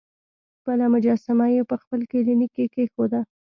بله مجسمه یې په خپل کلینیک کې کیښوده.